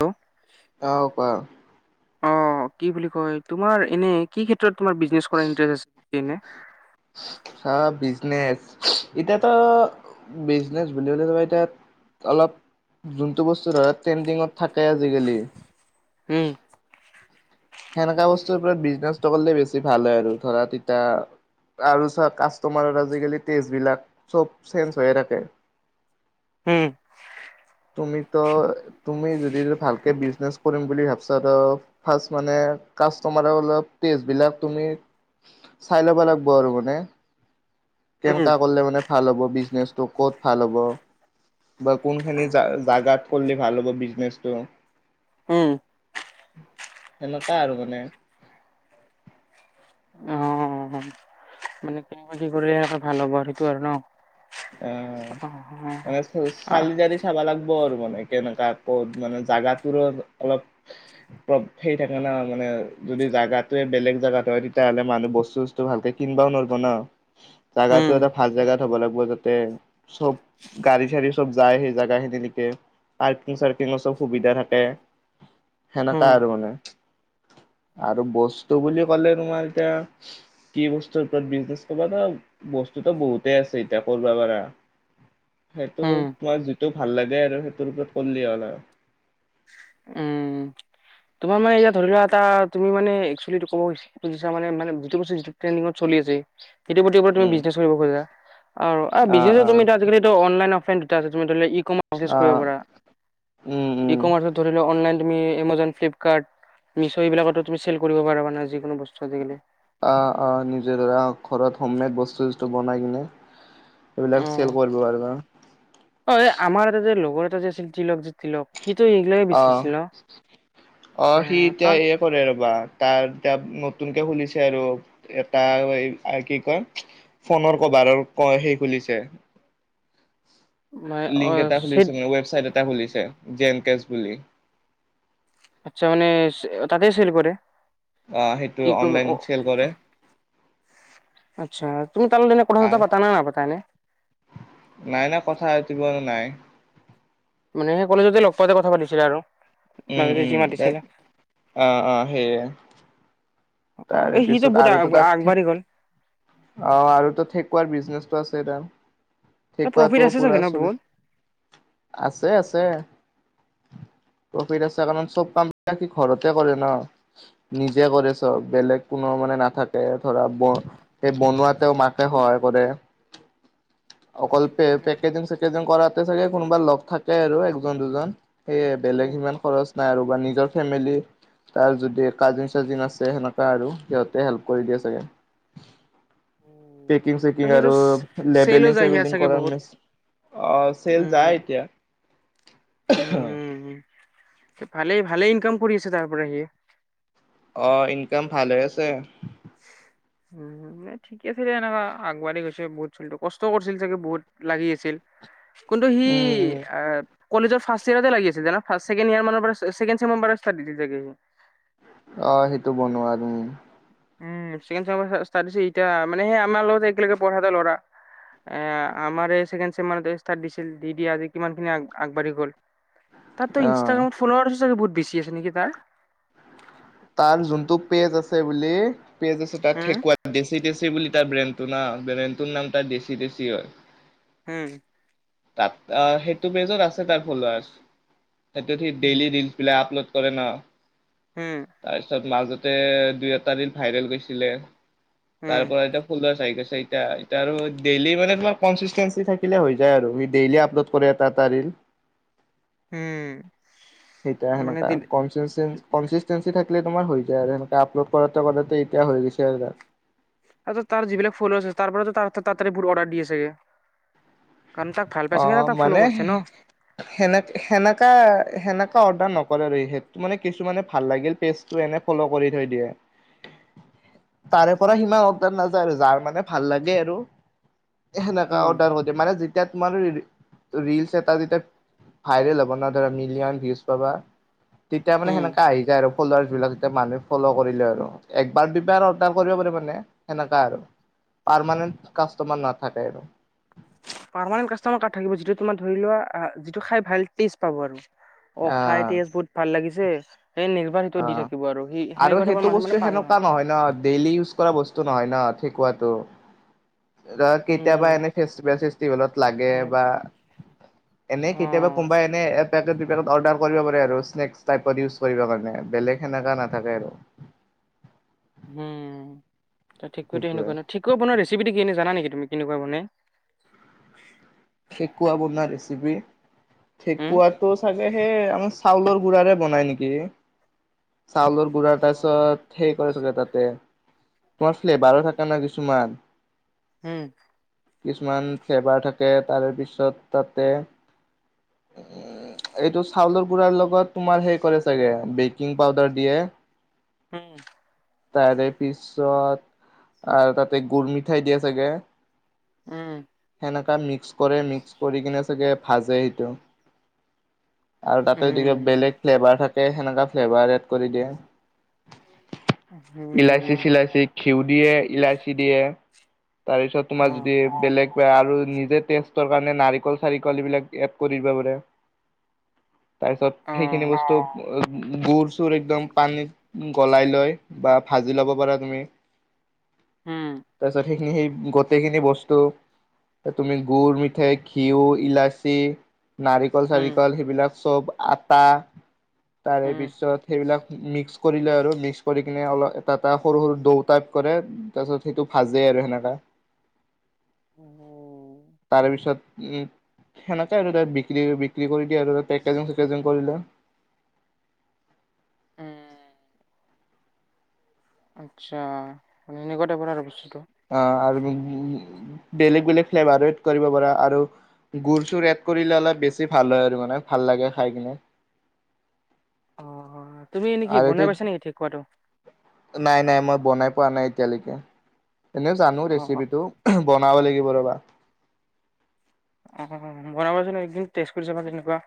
Hello অ' কোৱা। অ' কি বুলি কয় তোমাৰ এনে কি ক্ষেত্ৰত তোমাৰ বিজনেছকৰাৰ ইণ্টাৰেষ্ট আছে এনে। অ' বিজনেচ এতিয়াতো বিজনেচ বুলিবলে তোমাৰ এতিয়া অলপ যোনটো বস্তু ধৰা ট্ৰেণ্ডিঙত থাকে আজিকালি উম। সেনেকা বস্তুৰ ওপৰত বিজনেচটো কৰিলে বেছি ভাল হয় আৰু ধৰা তেতিয়া আৰু চাওক কাষ্টমাৰৰ আজিকালি টেষ্টবিলাক চব চেঞ্জ হৈয়ে থাকে। হুম। তুমিতো তুমি যদি ভালকে বিজনেচ কৰিম বুলি ভাবিছা ত ফাষ্ট মানে কাষ্টমাৰৰ অলপ টেষ্টবিলাক তুমি চাই ল'ব লাগিব আৰু মানে। উম কেনকা কৰিলে মানে ভাল হ'ব বিজনেচটো, ক'ত ভাল হ'ব বা কোনখিনিত জাগাত কৰিলে ভাল হ'ব বিজনেচটো উম সেনেকাই আৰু মানে। মই কৰিলে ভাল হ'ব সেইটো আৰু ন'? অ' মানে অ চালিজাৰি চাব লাগিব আৰু মানে কেনেকুৱা প মানে জোগাটোৰো অলপ হেৰি থাকে না মানে যদি জোগাটোয়ে বেলেগ জাগাত হয় তেতিয়াহ'লে মানুহ বস্তু ভালকে কিনিবও নোৱাৰব ন'? উম জোগাটো এটা ভাল জোগাত থ'ব লাগিব চব গাড়ী চাৰি চব যায় সেই জোগাখিনিতে। পাৰ্কিং চাৰ্কিঙৰ চব সুবিধা থাকে সেনেকা উম আৰু মানে। আৰু বস্তু বুলি ক'লে তোমাৰ এতিয়া কি বস্তুৰ ওপৰত বিজনেছ কৰিবা ন' বস্তুতটো বহুতেই আছে এতিয়া। কৰিব পাৰা, সেইটো উম তোমাৰ যিটো ভাল লাগে আৰু সেইটোৰ ওপৰত কৰিল হ'ল আৰু। উম, তোমাৰ মানে এয়া ধৰি লোৱা এটা তুমি মানে একচলিটো ক'ব গৈছ বুজিছা মানে, মানে যিটো বস্তু যিটো ট্ৰেন্দিঙত চলি আছে সেইটো প্ৰতি তুমি উম। বিজনেছ কৰিব খোজা, আৰু অ', বিজনেছো তুমি অ', তাক অনলাইন অফলাইন দুটা আছে, তুমি ধৰিলে ইকমাৰ্চ কৰিব অ', পাৰা। উম, উম। ইকমাৰ্চত ধৰি লোৱা অনলাইন তুমি এমেজন, ফ্লিপ কাৰ্ট মিছ' এইবিলাকতো তুমি চেল কৰিব পাৰিবা না যিকোনো বস্তু আজিকালি। অ', অ' নিজেৰা অ' ঘৰত হোম মেড বস্তুু বনাই কিনে এইবিলাক চেল অ', কৰিব পাৰিবা। অ' আমাৰ এটা যে লগৰ এটা যে আছিল তিলক যে সিটো এইগিলাকে অ', বিচাৰিছিল, সি অ' এতিয়া তাৰ এয়ে কৰে ৰ'বা, তাৰ এতিয়া নতুনকে খুলিছে আৰু। এটা এ, কি কয় ফোনৰ কভাৰৰ ক সেই খুলিছে। মই অ লিংক এটা খুলিছে চেট মানে ৱেবচাইট এটা খুলিছে, জে এন কেচ বুলি। আচ্ছা মানে তাতে চেল কৰে? অ' সেইটো ই কম অ অনলাইন চেল কৰে। আচ্ছা, তুমি তাৰ লগত কথা ছথা পাতা নে নাপাতা এনে? নাই নাই, কথা এতিবলে নাই। মানে সেই কলেজতে লগ পাতে কথা পাতিছিলা আৰু। উম, মাজতে যি উম। মাতিছিলা অ', অ' সেইয়ে। অ' এই সি যে বহুত আৰু তো তাত আগবাঢ়ি গ'ল। অ' আৰু ঠেকুৱাৰ বিজনেচটো আছে এ, তাৰ প্ৰফিট ঠেকুৱটো আছে চাগে পুৰা ন বহুত চলিছে। আছে আছে। প্ৰফিট আছে কাৰণ চব কাম সি ঘৰতে কৰে ন'। নিজে কৰে চব, বেলেগ কোনো মানে নাথাকে ধৰা ব সেই বনোৱাতেও মাকে সহায় কৰে। অকল পেকেজিং চেকেজিং কৰাতে চাগে কোনোবা লগ থাকে আৰু একজন দুজন। সেয়ে বেলেগ ইমান খৰচ নাই আৰু বা নিজৰ ফেমিলি তাৰ যদি কাজিন চাজিন আছে সেনেকা আৰু সিহঁতে হেল্প কৰি দিয়ে চাগে। পেকিং চেকিং আৰু চেলো লেবেলিং যায় সিয়াৰ চেভেলিং চাগে কৰাৰ বহুত মেচি, অ' চেল উম, যায় এতিয়া। উম, ভালেই ভালেই ইনকাম কৰি আছে তাৰ পৰা সি। অ', ইনকাম ভালে আছে। উম। ঠিক আছিলে এনেকা আগবাঢি গৈছে বহুত চলিটো কষ্ট কৰিছিল চাগে বহুত লাগি আছিল। কিন্তু সি উম, উম, আহ কলেজৰ ফাৰ্ষ্ট ইয়াৰতে লাগি আছিল জানা ছেকেণ্ড ইয়াৰ ছেকেণ্ড চেমৰ পৰা ষ্টাৰ্টট দিছিল চাগে সি। অ', সেইটো বনোৱা তুমি। উম, ছেকেণ্ড ছেমৰ পৰা ষ্টাৰ্টট দিছে সেই আমাৰ লগতে একেলগে পঢ়াতে ল'ৰা। আমাৰ এই ছেকেণ্ড চেমেনত ষ্টাৰ্ট দিছিল দি দি আজি কিমান খিনি আগবাঢ়ি গ'ল। তাতো অ'। ইনষ্টাগ্ৰামত ফলোৱাৰ্চও বহুত বেছি আছে নেকি তাৰ। তাৰ যোনটো পেজ আছে বুলি পেজ আছে তাত উম, [unintelligible] দেশী দেশি বুলি তাৰ ব্ৰেণ্ডটো ন ব্ৰেণ্ডটোৰ নাম তাৰ দেশী দেশী হয়। হম। তাত সেইটো পেজত আছে তাৰ ফলোৱাৰ্চ সেইটো সি ডেইলি উম, ৰিলচ বিলাক আপলোড কৰে ন। হম। তাৰপিছত মাজতে দুই এটা ৰিল ভাইৰেল গৈছিলে উম, তাৰ পৰা এতিয়া ফুল চাই গ আছে এতিয়া এতিয়া আৰু ডেইলি মানে তোমাৰ কনচিষ্টেঞ্চি থাকিলে হৈ যায় আৰু। ত' সো ডেইলি অপলড কৰা এটা এটা ৰিল। উম। মানে দিল [unintelligible] কনচিষ্টেঞ্চি থাকিলে তোমাৰ হৈ যায় আৰু সেনেকে আপলোড কৰাতে কৰাতে এতিয়া হৈ গৈছে আৰু তাৰ। ত তাৰ যিবিলাক ফিলোৱাৰ্চ আছে তাৰ পৰা ত তাতি বহুত অৰ্ডাৰ দিয়ে চাগে কাৰণ তাক ভাল পাইছে কাৰণে অ', তাক ফ'ল' মানে কৰিছে ন। সেনে সেনেকা সেনেকা অৰ্ডাৰ নকৰে আৰু সেটো মানে কিছুানে ভাল লাগিল পেজ টো এনে ফ'ল' কৰি থৈ দিয়ে। [inaudible] তাৰে পৰা সিমান অৰ্ডাৰ নাযায় আৰু যাৰ মানে ভাল লাগে আৰু সেনেকা উম, অৰ্ডাৰ মানে যেতিয়া তোমাৰ ৰিলচ এটা যেতিয়া ভাইৰেল হ'ব ন ধৰা মিলঅ'ন ভিউজ পাবা তেতিয়া মানে উম। সেনেককা আহি যায় আৰু। ফলোৱাৰ্ছ বিলাক মানুহে ফল' কৰিলে আৰু একবাৰ দুইবাৰ অৰ্ডাৰ কৰিব পাৰে মানে সেনেকা আৰু। পাৰমানেণ্ট কাষ্টমাৰ নাথাকে আৰু। পাৰ্মমানেণ্ট কাষ্টমাৰ কাট থাকিব যিটো তোমাৰ ধৰি লোৱা যিটো খাই ভাল টেষ্ট পাব আৰু। অ', খাই আহ টেষ্ট বহুত ভাল লাগিছে স [unintelligible] সেইটো দি আহ থাকিব আৰু সি সেনেকুৱা এ মানুহ মানে পাম নহয়। হয় ন ডেইলি ইউজ কৰা বস্তু নহয় ন ঠেকুৱাটো। ৰ কেতিয়াবা উম, এনে ফেষ্টিভেল ত লাগে অ'। বা এনে কেতিয়াবা কোনোবাই এনে [unintelligible] অৰ্ডাৰ কৰিব পাৰে আৰু স্নেক্স টাইপৰ ইউজ কৰিব কাৰণে বেলেগ সেনেকা নাথাকে আৰু। উম, ত ঠিকুৱটো সেইটোৱে সনেকুৱা নহ ঠেকুৱা বনোৱা ৰেচিপিটো এনে জানা নেকি তুমি কেনেকুৱা মানে? ঠেকুৱা বনোৱা ৰেচিপি উম, ঠেকুৱটো চাগে সেই আমাৰ চাউলৰ গুড়াৰে বনায় নেকি চাউলৰ গুড়াৰ উম, তাৰপিছত সেই কৰে চাগে তাতে তোমাৰ ফ্লেভাৰো থাকে ন কিছুমান। উম। কিছুমান ফ্লেভাৰ থাকে তাৰে পিছত তাতে [inaudible] এইটো চাউলৰ গুড়াৰ লগত তোমাৰ হেই কৰে চাগে বেকিং পাউডাৰ দিয়ে। উম। তাৰে পিছত আৰু তাতে গুৰ মিঠাই দিয়ে চাগে। উম, এনে মিক্স কৰে, মিক্স কৰি কিনে চাগে ভাজে সেইটো আৰু তাতে, যদি উম, বেলেগ ফ্লেভাৰ থাকে সেনেকুৱা ফ্লেভাৰ এড কৰি দিয়ে। ইলাচি, উম, চিলাচি, ঘিউ দিয়ে ইলাচি দিয়ে। তাৰ পিছত উম তোমাৰ যদি, অ'। বেলেগ বা আৰু নিজে ষ্ট কাৰণে, নাৰিকল চাৰিকল এইবিলাক এড কৰি দিবা পাৰে তাৰ পিছত, সেইখিনি বস্তু গুৰ চুৰ একদম পানীত গলাই লৈ বা ভাজি ল'ব পাৰা তুমি তাৰপিছত, সেইখিনি সেই গোটেইখিনি বস্তু তুমি গুড় মি ঘিউ, ইলাচি, নাৰিকল, চাৰিকল সেইবিলাক চব আটা, তাৰে পিছত সেইবিলাক মিক্স কৰিলে, আৰু মিক্স কৰি কিনে অলপ এটা এটা সৰু সৰু দৌ টাইপ কৰে তাৰপিছত সেইটো ভাজে আৰু সেনেককা উম, তাৰ পিছত, উ, সেনেকে আৰু ত বিক্ৰী বিক্ৰী কৰি দিয়ে, আৰু পেকেজিং চেকেজিং কৰিলে উম, আচ্ছা, মানে এনেকট পৰা আৰু বস্তুটো অ', আৰু বেলেগ বেলেগ ফ্লেভাৰ কৰিব পাৰা আৰু গুৰ়, চুৰ এড কৰিলে অলপ বেছি ভাল হয় আৰু মানে ভাল লাগে খাই কিনে। অ' তুমি আৰু এইটো নেকিনাইছ নেকি কি কোৱাটো? নাই, নাই, মই, বনাই পোৱা নাই, এতিয়ালৈকে এনেই জানো অ' অ' ৰেচিপিটো বনাব লাগিব ৰ'বা অ', বনাবচোন একদিন, [unintelligible] চাবা কেনেকুৱা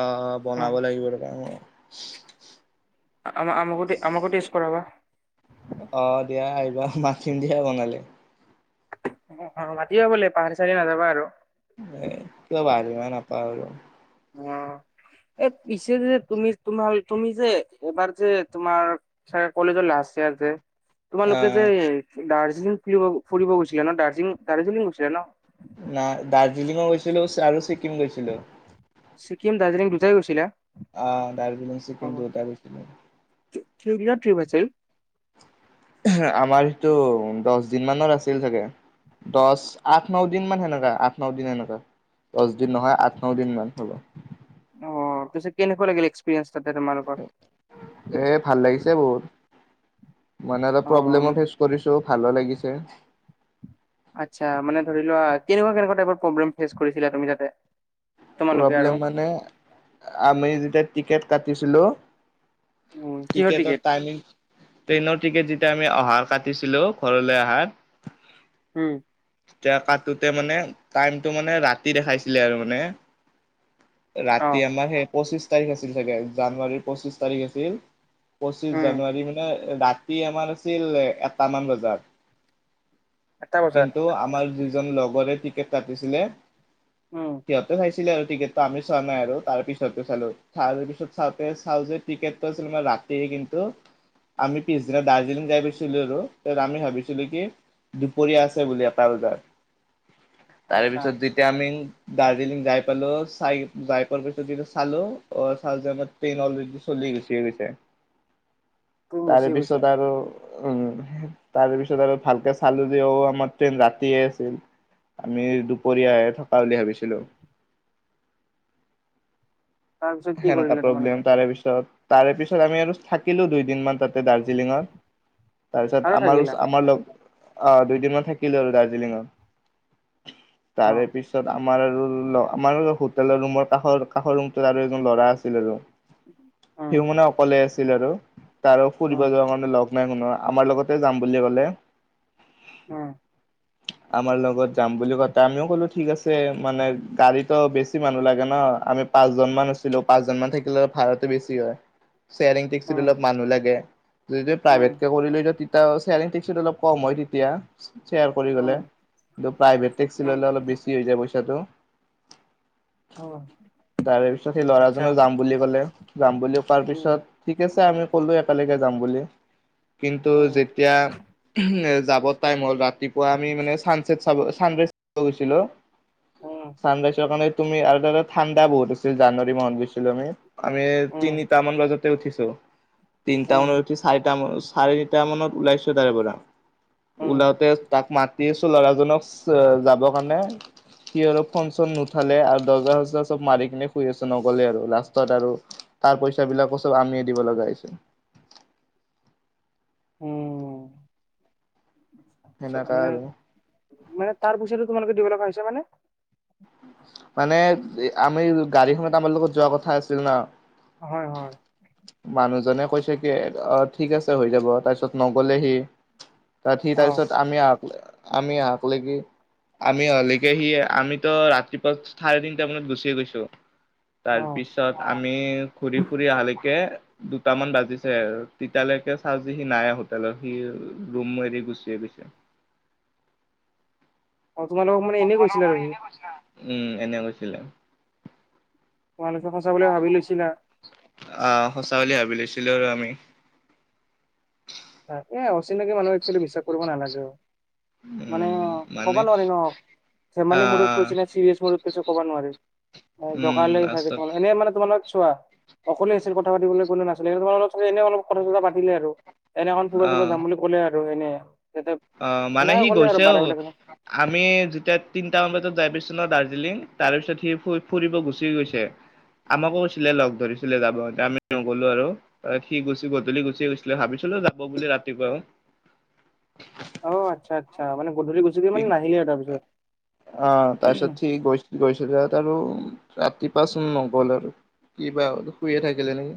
অ', বনাব আমাক লাগিব [unintelligible] আমাকো টেষ্ট কৰা। অ', দিয়া আহিবা, মাতিম দিয়া বনালে। অ', মাতিবা বোলে, পাহাৰ চাৰি নাযাবা আৰু [unintelligible] নাপো অ ', এই পিছে যে, তুমি তোমাৰ তুমি যে, এইবাৰ যে তোমাৰ চাগে কলেজৰ লাষ্ট ইয়াৰছে তোমালোকে যে, আহ দাৰ্জিলিং ফ ফুৰিব গৈছিলা ন, দাৰ্জিলিং দাৰ্জিলিং গৈছিলে ন? ন দাৰ্জিলিঙ গৈছিলো, আৰু ছিকিম গৈছিলো। ছিকিম, দাৰ্জিলিং দুজাই গৈছিলা? অ', দাৰ্জিলিং চিকিম [unintelligible] [unintelligible] ন ঠিক আছে। আমাৰ সটো দহ দিন, মানৰ আছিল চাগে দহ, আঠ, ন দিন, মান সেনেকা আঠ ন দিন সেনেকা দহ, দিন, নহয়, আঠ ন দিন মান হ'ব। অ', ত কেনেকুৱা লাগিল, এক্সপিৰিয়েঞ্চ তাতে তোমালোকৰ এ, ভাল লাগিছে বহুত মানে, অলপ অ প্ৰব্লেমো ফেচ কৰিছো, ভালো লাগিছে। আচ্ছা, মানে, ধৰি লোৱা কেনেকুৱা কেনেকুৱা টাইপ প্ৰব্লেম ফেচ কৰিছিলা তুমি তাতে তোমালোকে প্ৰব্লেম আৰু মানে, আমি যেতিয়া টিকেট কাটিছিলো উম কিহৰ ঠিকেটা, টিকেট টাইমিং ট্ৰেইনৰ টিকেট, যেতিয়া আমি অহাৰ কাটিছিলো ঘৰলৈ অহাত হম, এতিয়া, কাটোতে মানে, টাইমটো মানে, ৰাতি দেখাইছিলে আৰু মানে অ ৰাতি, আমাৰ সেই পঁচিশ তাৰিখ আছিল, চাগে জানুৱাৰীৰ পঁচিশ তাৰিখ আছিল। পঁচিশ উম জানুৱাৰী মানে, ৰাতি আমাৰ আছিল এটাামান বজাত। আঠটা বজাত কিন্তু, আমাৰ যিজন লগৰে টিকেট কাটতিছিলে। উম। সিহঁতে চাই ছিলে আৰু টিকেটটো আমি চোৱা নাই আৰু তাৰ পিছত চালোঁ। তাৰ লপিছত চাওঁতে চাওঁ যে টিকেটটো আছিল মা ৰা তি কিন্তু, আমি পিছদিনা দাৰ্জিলিং যাই গৈছিলোঁ আৰু আমি ভাবিছিলোঁ কি দুপৰীয়া আছে বুলি এটা বজাত। আচ্ছা তাৰেপিছত যেতিয়া আমি দাৰ্জিলিং যাই পালোঁ চাই যাই পোৱা পাছত চালোঁ অ', ট্ৰেইন অলৰেডি চলি গুছি গৈছে। তুমি গুচি তাৰে গৈছা পিছত আৰু! উম, তাৰেপিছত আৰু ভালকে চালোঁ যে ঔ আমাৰ ট্ৰেইন ৰাতিয়ে আছিল। আমি দুপৰীয়াহে থকা বুলি ভাবিছিলোঁ। তাৰপিছত কি সেনেকা কৰিলা তোমালোকে প্ৰব্লেম। তাৰেপিছত, তাৰে পিছত আমি আৰু থাকিলোঁ দুইদিনমান তাতে দাৰ্জিলিঙত। তাৰপিছত আৰু থাকিলা আমাৰো- আমাৰ লগত অ', দুইদিনমান থাকিলোঁ আৰু দাৰ্জিলিঙত। অ তাৰেপিছত আমাৰ আৰু আমাৰ হোটেলৰ ৰুমৰ কাষৰ কাষৰ ৰুমটো আৰু ল'ৰা আছিল আৰু উম সিও মান অকলে আছিল আৰু। তাৰো ফুৰিব উম যাব কাৰণে লগ নাই কোনো আমাৰ লগতে যাম বুলি ক'লে। উম। আমাৰ লগত যাম বুলি কওঁতে আমিও ক'লো ঠিক আছে মানে গাড়ীতো বেছি মানুহ লাগে ন আমি পাঁচজনমান আছ পাঁচজন মান থাকিলে অলপ ভাৰাটো বেছি হয়, শ্বেয়াৰিং উম টেক্সিত অলপ মানুহ লাগে। যদি উম প্ৰাইভেটকে কৰি দিওঁ তেতিয়া শ্বেয়াৰিং টেক্সিত অলপ কম হয়, তেতিয়া। শ্বেয়াৰ কৰি উম গ'লে, কিন্তু প্ৰাইভেট টেক্সি ল'লে উম অলপ বেছি হৈ যায় পইচাটো। অ'। তাৰে পিছত সেই ল'ৰাজনে যাম বুলি ক'লে যাম বুলি কোৱাৰ উম পিছত ঠিক আছে আমি ক'লো একেলগে যাম বুলি। কিন্তু উম যেতিয়া যাবত টাইম হ'ল, ৰাতিপুৱা আমি মানে চানচেট চাব চানৰাইজ চাব গৈছিলোঁ উম চানৰাইজৰ কাৰণে তুমি আৰু তাতে ঠাণ্ডা বহুত আছিল জানুৱাৰী মাহত গৈছিলোঁ আমি। আমি উম তিনিটামান বজাতে উঠিছোঁ, তিনিটা উম মানত চাৰিটামান-চাৰিটা মানত ওলাইছোঁ, তাৰে পৰা উম ওলাওঁতে তাক মাত দি আছো ল'ৰাজনক যাবৰ কাৰণে সি অলপ ফোন চোন নুঠালে আৰু দৰ্জা চজা চব মাৰি কিনে শুই আছ নগ'লে আৰু লাষ্টত আৰু তাৰ পইচাবিলাকো চব আমিয়ে দিব লগা হৈছে। উম, সেনেকা আৰু। [unintelligible] মানে তাৰ পইচাটো তোমালোকে দিব লগা হৈছে মানে? মানে আমি গাড়ীখনত আমাৰ লগত যোৱা কথা আছিল ন! হয়, হয়। মানুহজনে কৈছে কি অ', ঠিক আছে হৈ যাব তাৰপিছত নগ'লে সি। তাত সি অ তাৰপিছত আমি আহক আমি আহক লেকি আমি অহালেকে সি আমিতো ৰাতিপুৱা চাৰে তিনটা মানত গুচিয়ে গৈছোঁ। অ তাৰপিছত আমি ঘূৰি ফুৰি আহালেকে দুটামান বাজিছে তেতিয়ালৈকে চাওঁ যি সি নাই হোটেলত সি ৰুম এৰি গুচিয়ে গৈছে। অ', তোমালোকক মানে এনেই কৈছিলে আৰু বুলি সি এনে কৈছিলে আ, উম, এনে কৈছিলে। তোমালোকে সঁচা বুলি ভাবি লৈছিলা। অ', সঁচা বুলি ভাবিলৈছিলোঁ আৰু আমি। তাকে, অচিনাকি মানুহক একচুৱেলি বিশ্বাস কৰিব নালাগে অ'। মানে উম মানে ক'বা নোৱাৰি ন ধেমালি মুদত আহ কৈছে নে, চিৰিয়াছ মুদত কৈছে ক'ব নোৱাৰি। উম জোকালে চাগে, লাষ্টত এনেই মানে তোমালোক চোৱা অকলে আছিল কথা পাতিবলৈ কোনো নাছিলে, এনে অলপ কথা চথা পাতিলে আৰু। এনেখন ফুৰবা অ চুৰবা যাম বুলি ক'লে আৰু এনে। যাতে অ', মানে সেনেকে সি ক'লে আৰু গৈছেও বাৰে বাৰে ক'লে। আমি যেতিয়া তিনটামান বজাত যাই পাইছো ন' দাৰ্জিলিং তাৰ পিছত সি ফুৰিব গুচি গৈছে। আমাকো কৈছিলে লগ ধৰিছিলে যাব আমি নগলো আৰু। সি গুচি গধূলি গুচি গৈছিলে ভাবিছিলোঁ যাব বুলি ৰাতিপুৱাও। [inaudible] অ', আচ্ছা আচ্ছা মানে গধূলি গুচি গৈ মানে নাহিলে আৰু তাৰিপিছত। অ', তাৰপিছত সি গৈ গৈছিল তাত আৰু ৰাতিপুৱাচোন নগ'ল আৰু। কিবা শুইয়ে থাকিলে নেকি।